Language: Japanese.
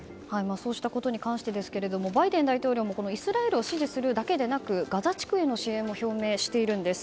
そうしたことに関してバイデン大統領もこのイスラエルを支持するだけでなくガザ地区への支援も表明しているんです。